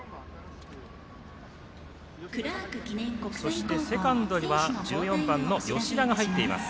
そしてセカンドには１４番の吉田が入っています。